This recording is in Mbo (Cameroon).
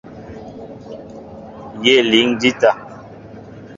Yé líŋ jíta.